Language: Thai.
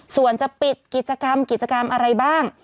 ส่วนจะปิดกิจกรรมอะไรบ้าง